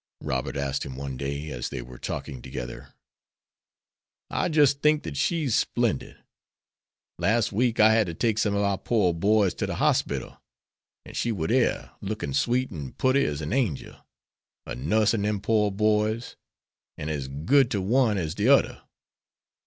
Robert asked him one day, as they were talking together. "I jis' think dat she's splendid. Las' week I had to take some of our pore boys to de hospital, an' she war dere, lookin' sweet an' putty ez an angel, a nussin' dem pore boys, an' ez good to one ez de oder.